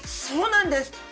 そうなんです。